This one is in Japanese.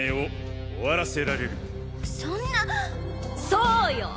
そうよ！